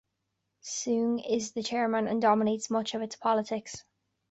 Soong is the chairman and dominates much of its politics.